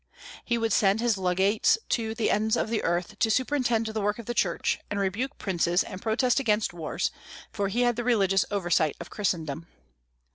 He would send his legates to the end of the earth to superintend the work of the Church, and rebuke princes, and protest against wars; for he had the religious oversight of Christendom.